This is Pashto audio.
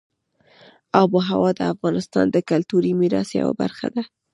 آب وهوا د افغانستان د کلتوري میراث یوه برخه ده.